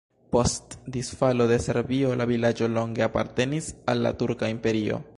Post disfalo de Serbio la vilaĝo longe apartenis al la Turka Imperio.